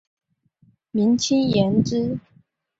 明清延之。